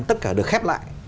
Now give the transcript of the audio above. tất cả được khép lại